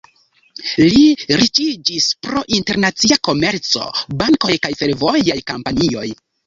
Li riĉiĝis pro internacia komerco, bankoj kaj fervojaj kompanioj.